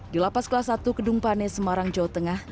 di lapas kelas satu kedung pane semarang jawa tengah